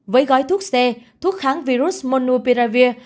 với gói thuốc c thuốc kháng virus monopiravir